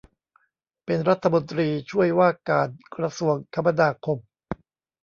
เป็นรัฐมนตรีช่วยว่าการกระทรวงคมนาคม